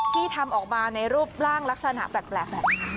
ที่ทำออกมาในรูปร่างลักษณะแปลกแบบนี้